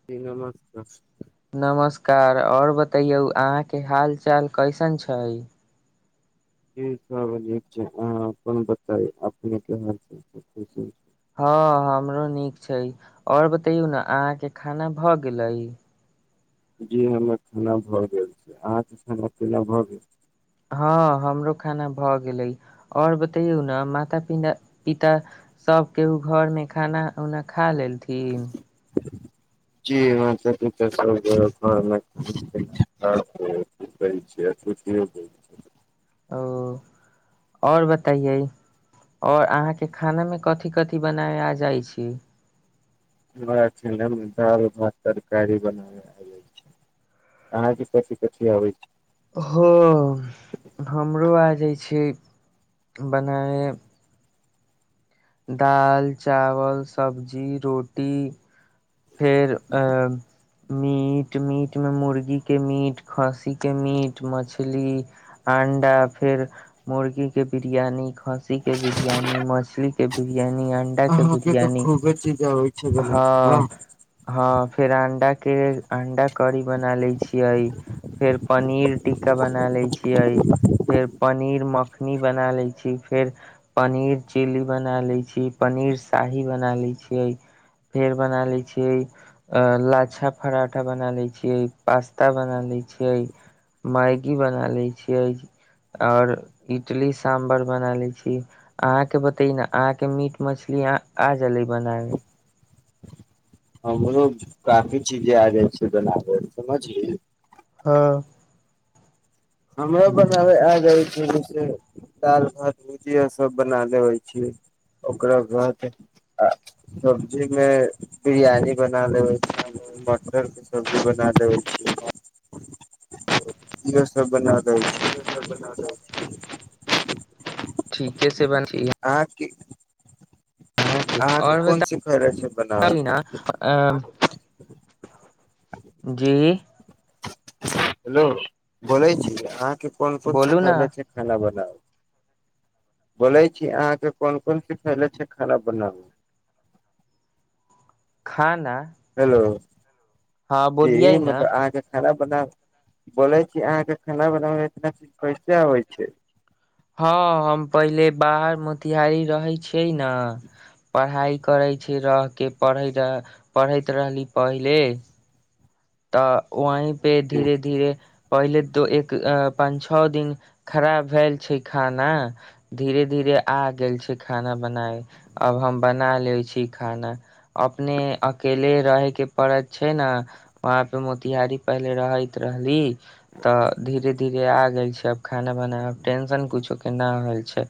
[inaudible] नमस्कार आओर बतैयौ अहाँके हाल चाल कइसन छै जी सब नीक छै अहाँ अपन बतायो अपने केहन छी हँ हमरो नीक छै आओर बतयौ न अहाँ के खाना भऽ गेलै जी हमर खाना भऽ गेल छै अहाँके खाना पीना भऽ गेल हँ हमरो खाना भऽ गेलै आओर बतैयौ न माता पिता पिता सभ केहुँ घर में खाना उना खा लेलथिन [unintelligible] [unintelligible] ओ [inaudible] और बताय य और अहाँ केँ खाना में कथि कथि बनाय आ जाइ छी हमरा [unintelligible] दाल भात तरकारी बनाब अहाँकेँ कथि कथि अबै छै हऽ हमरो आ जाइ छै [inaudible] बनैबे दाल चावल सब्जी रोटी फेर अब मीट मीट में मुर्गी केँ मीट खस्सी केँ मीट मछली अंडा फेर मुर्गी केँ बिरयानी ख खसी केँ बिरयानी मछली केँ बिरयानी अण्डा केँ अहाँ बिरयानी [unintelligible] न हऽ हऽ फेर अंडा केँ अंडा कड़ी बना लै छियै फेर पनीर टिक्का बनै लै छियै फेर पनीर मखनी बना लै छी फेर पनीर चिली बना लै छि पनीर शाही बना लै छियै फेर बना ले छियै अ लाछा फराठा बना ले छियै पास्ता बना ले छियै मैगी बना ले छियै और इटली साम्बर बना लै छी अहाँकेँ बते न अहाँकेँ मीट मछलीया आ गलै बनाबे हमरो काफी चीजे आ जाइ छै बनाबे समझली हऽ हमरो बनाबैय आ [unintelligible] दाल भात भुजिया सब बना लेबै छियै ओकरा बाद आ सब्जी में बिरियानी बना लेबै छी मटर केँ सब्जी बना लेबै छियै [unintelligible] इहो सब बनबा दै [unintelligible] ठीके से अहाँकेँ की [inaudible] अहाँकेँ आओर कोन सिखैयै छै बताबी बनाबे [unintelligible] जी [unintelligible] हेलो बोलै छी अहाँके कोन कोन बोलू न सिखैलै छै खाना बनाबै बोले छी अहाँक कोन कोन सिखैलै छै खाना बनाबै खाना हेलो हँ [inaudible] जी बोलियै न मतलब अहाँकेँ खाना बना [inaudible] बोले छी अहाँक खाना बनाब में एतना चीज कैसे आबै छै हँ हम पहिले बाहर मोतिहारी रहै छियै न पढ़ाइ करै छी रहक पढ़ैत पढ़ैत रहली पहिले तऽ वही पे जी धीरे धीरे पहिले दु एक पांच छओ दिन खराब भेल छै खाना धीरे धीरे आ गेल छै खाना बनाबै अब हम बना ले छी खाना अपने अकेले रहेके पड़है छै न वहाँ पे मोतिहारी पहिले रहैत रहली तऽ धीरे दीदी आ गेल छै अब खाना बनावा टेंशन कुछो के न हो छै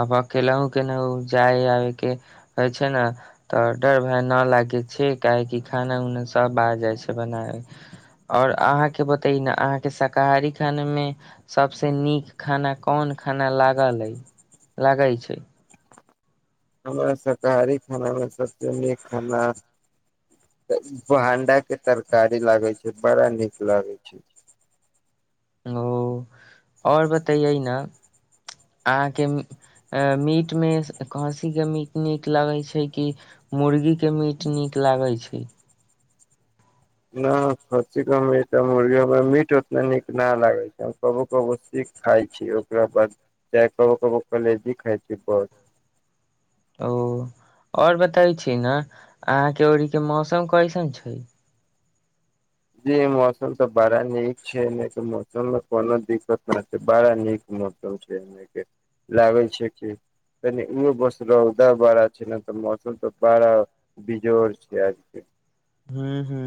अब अकेलहु केनेऊ जाए आबैके होय छै ने तऽ डर भाय न लागे छै काहेकि खाना उना सब आ जाय छै बना और अहाँके बतैइ न अहाँके शाकाहारी खाना मे सभस नीक खाना कोन खाना लागल अइ लागैय छइ हमरा शाकाहारी खाना में सबसे नीक खाना औ अंडा के तरकारी लागे छै बड़ा नीक लागे छै ओ ओर बतैयै ने अहाँके मि अऽ मीट मे खसी के मीट नीक लगै छै कि मुर्गी के मीट नीक लागैय छैइ ना खसी मीट और मुर्गी हमरा मीट उतना नीक ना लागे छैय कबो कबो सीक खाय छी ओकरा बाद चाहे कबो कबो कलेजी खाय छी बस ओ ओर बतैइ छी ने अहाँके ओरी के मौसम कैसन छैइ जी मौसम तऽ बड़ा नीक छै नय तऽ मौसम मे कोनो दिक्कत नै छै बड़ा नीक मौसम छै ऐने के लागै छै कि तनी उहो बस रौदा बड़ा छै ने तऽ मौसम त बड़ा बीजोर छै आज के हु हु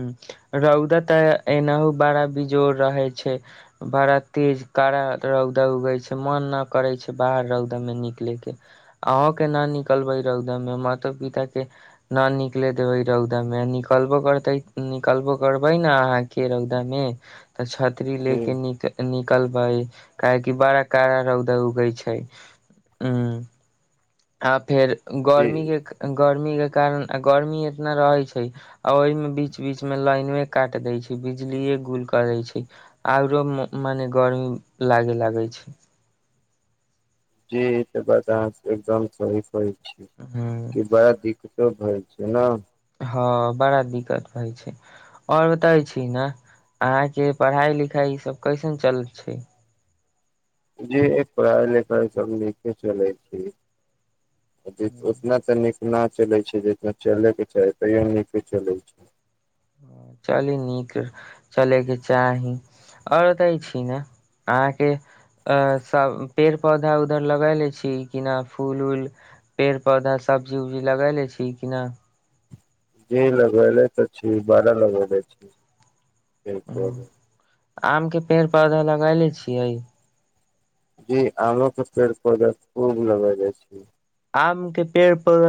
रौदा तऽ एनाहो बड़ा बिजोड़ रहै छै बड़ा तेज कड़ा रौदा उगै छै मन नऽ करै छै बाहर रौदा मे निकलयके अहाँके न निकलबै रैउदा मे मातो पिता के न निकले देबै रउदा में अ निक निकलबो करतै निकलबो करबइ ने अहाँके रौदामे तऽ छत छतरी ले जी के निक निकलबइ काहेकि बड़ा कड़ा रौद उगै छै [unintelligible] आ फेर जी गर्मी के गर्मी के कारण आ गर्मी इतना रहैय छइ आ ओहि में बीच बीच में लाइने काट दे छै बिजलीे गुल कर दैइ छै आउरो मने गर्मी लागे लागै छै जी ई तऽ बात अहाँ एकदम सही कहै छी ह कि ब किछो भइ छै नऽ हँ बड़ा दिक्कत भइ छैइ ओर बताइ छी न अहा के पढ़ाई लिखाई ई सब कैसन चल छै जी एक पढ़ाई लिखाई सब निके चले छी [inaudible] उतना तऽ नीक ना चले छै जितना चले के चाही तैयो नीक चले छै चली नीक चलै के चाही ओर बताई छी न अहाँके अ सब पेड़ पौधा उधर लगाए ले छी कि ना फूल ऊल पेड़ पौधा सब्जी उब्जी लगाय ले छी कि नऽ जी लगले तऽ छी बारा लगेले छी पेड़ पौधा आम के पेड़ पौधा लगैेले छियै जी आमो के पेड़ पौधा खूब लगैले छीय आम के पेड़ पर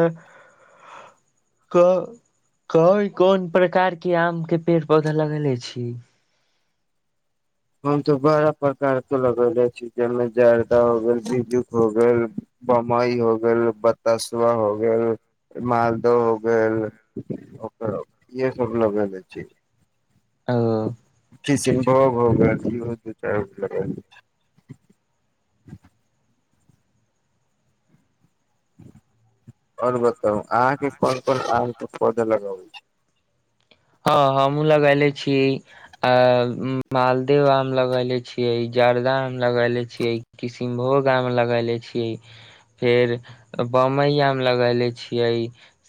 कऽ कई कोन प्रकार के आम के पेड़ पौधा लगेेले छी हम तो बड़ा प्रकार के लगेेले छी जाय में जर्दा हो गेल बीजू हो गेल बम्बई हो गेल बतासुआ हो गेल माल- के हो गेल ओकर इहे सब लगेले छी ओ किसनभोग हो गेल इहो दू चारि गो लगेने छी आओर बताउ अहाँके कोन कोन आमके पौधा लगाबै छी हाँ हमहूँ लगले छी अ-मालदेव आम लगेले छियै जर्दा आम लगेले छियै किशुनभोग आम लगेले छियै फेर बम्बई आम लगेले छियै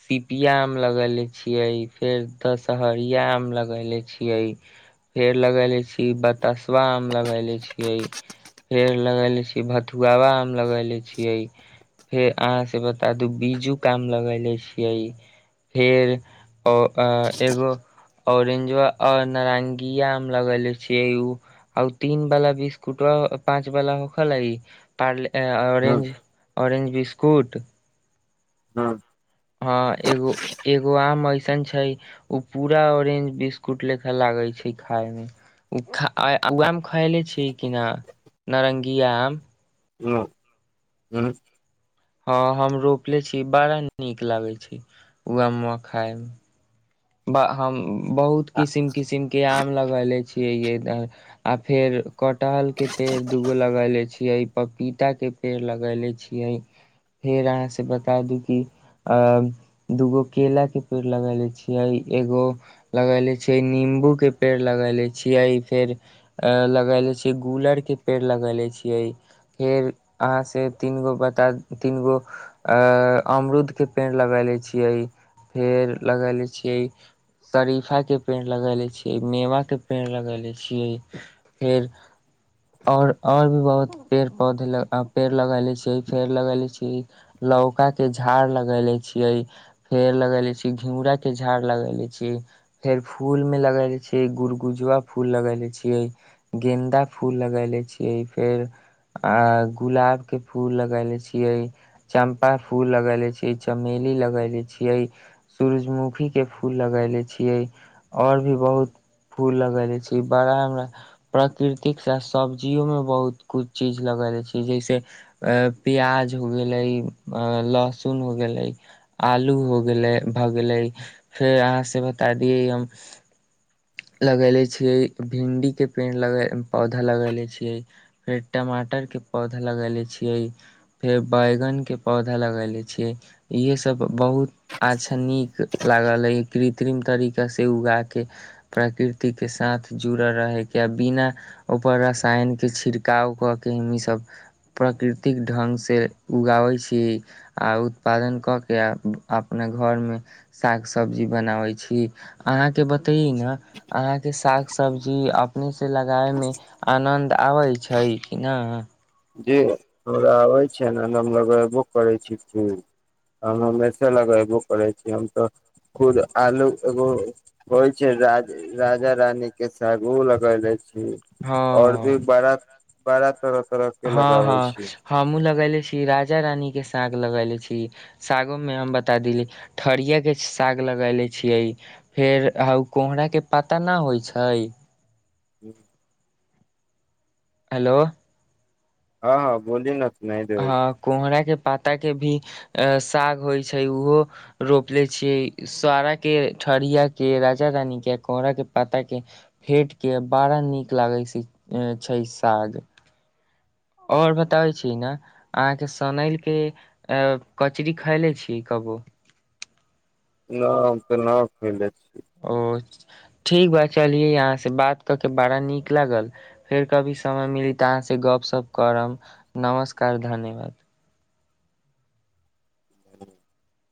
सीपिया आम लगेले छियै फेर दस- -सहरिया आम लगेले छियै फेर लगेले छी बतसवा आम लगेले छीयै फेर लगेले छी भथुआवा आम लगेले छीयै फेर अहाँ से बता दू बीजूके आम लगेले छियै फेर अ -ओ एगो औरेंजो आओर नारंगीया आम लगेले छियै आउ तीन बला बिस्कुटबा पाॅंच बला उ-खैलैई पारले हूँ ऑरेंज ऑरेंज बिस्कुट हाँ हँ एगो एगो आम ऐसन छै ओ पूरा ऑरेंज बिस्कुट जेकां लागै छै खाइमे खा -अ-ओउ आम खएले छीयै कि ना नारंगीया आम न- उँहूँ हाँ हम रोपले छी बड़ा नीक लागे छै उह आम खाइमे ब- हम बहुत किसिम किसिमके आम लगेले छियै इधर आ फेर कटहलके पेड़ दूगो लगैले छियै पपीताके पेड़ लगैले छियै फेर अहाँ से बता दूं की अऽऽ दूगो केला के पेड़ लगैले छी। एहि एगो लगेले छियै नीम्बूके पेड़ लगेले छियै फेर अ-लगेले छीयै गूलरके पेड़ लगैले छीयै फेर अहाँसँ तीनगो बता तीनगो अ- अमरुदके पेड़ लगैले छियै फेर लगैले छीयै शरीफाके पेड़ लगेले छियै मेवा के पेड़ लगैले छियै फेर आओर आओरभी बहुत पेड़ पौध पेड़ लगैले छी फेर लगैले छियै लौकाके झाड़ लगेले छियै फेड़ लगेेले छीयै घिउरा के झाड़ लगेले छीयै फेर फूलमे लगेले छीयै गुड़ गुजवा फूल लगेले छीयै। गेन्दा फूल लगैले छियै फेर आ- गुलाबके फूल लगैले छियै चम्पा फूल लगैले छीयै चमेली लगैले छीयै, सूरजमुख- -खीके फूल लगैेले छियै, आओर भी बहुत फूल लगैले छीयै, बड़ा हमरा प्रकृतिकसँ के साथ सब्जियोमे बहुत कुछ चीज लगैले छी जैसे अ-प्याज हो गेलै अ- लहसुन हो गेलै आलू हो गेलै भ गेलै फेर अहाँसँ बता दियै हम लगैले छियै भिन्डीके पेड़ लगै पौधा लगैले छियै। फेर टमाटर के पौधा लगैले छियै। फेर बैयगनके पौधा लगैले छियै इएह सब बहुत अच्छा नीक लागल अइ, कृत्रिम तरीकासे उगा के प्रकृतिके साथ जुड़ रहैके बिना ऊपर रसायनके छिड़काव कऽ के ईसब प्रकृतिक ढंगसे उगाबै छीयै आ उत्पादन कऽ केऽ आ अपने घऽरमे साग सब्जी बनाबै छी। अहाँके बत्तैइ न अहाँके साग सब्जी अपनेसे लगायैमे आनन्द आबै छै। इ न जी हमरा आबै छै न [unintelligible] करै छी खुब हम हमेसा लगैएबो करै छी हम तऽ खुद आलू एगो होइ छै राज राजा रानी के साग ओहो लगैले छीयै आओर भी हँ बड़ा बारा तरह तरह के हँ लगाबै हँ छी हमु लगैले छी राजा रानी के साग लगैले छी। सागोमे हम बता देली ठरिया के साग लगैले छियै। फेर हा उ कोहराके पाता ना होइ छाय हूँ हेलो हँ बोलि नक हँ कुम्हरा के पाता के भी अ साग होइ छै उहो रोप ले छियै सारा के ठरिया के राजा रानी के कोहरा के पाता के फेट के बड़ा नीक लागै सै छै साग आओर बताबै छी ना अहाँके सनैल के अ कचरी खइले छीयै कबो ना हम तऽ ना खैले छीयै ओ ठीक बा चलियै यहाँ से बात कऽ के बड़ा नीक लागल फेर कभी समय मिली तऽ अहाँसँ गप-सप करब नमस्कार धन्यवाद [inaudible]